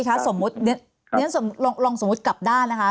ค่ะรัฐมนตรีคะลองสมมุติกลับด้านนะคะ